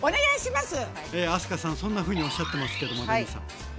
明日香さんそんなふうにおっしゃってますけどもレミさん。